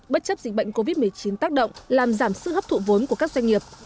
bất chấp dịch bệnh covid một mươi chín tác động làm giảm sự hấp thụ vốn của các doanh nghiệp